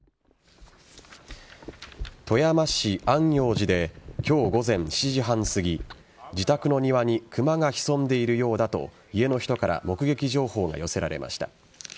富山市安養寺で今日午前７時半すぎ自宅の庭にクマが潜んでいるようだと家の人から目撃情報が寄せられました。